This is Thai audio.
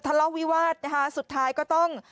ถลกวิวาดสุดท้ายก็ต้อง